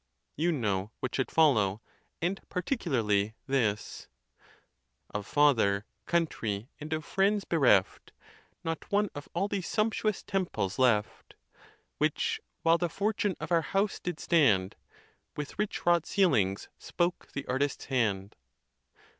You know what should follow, and particularly this: Of father, country, and of friends bereft, Not one of all these sumptuous temples left, Which, while the fortune of our house did stand, With rich wrought ceilings spoke the artist's hand.